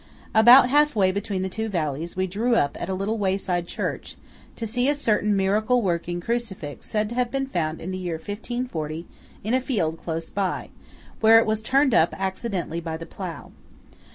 About halfway between the two valleys, we drew up at a little wayside church, to see a certain miracle working crucifix said to have been found in the year 1540 in a field close by, where it was turned up accidentally by the plough.